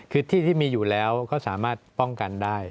คือที่ที่มีอยู่แล้วก็สามารถป้องกันได้